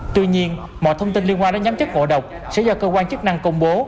tuy nhiên mọi thông tin liên quan đến nhóm chất ngộ độc sẽ do cơ quan chức năng công bố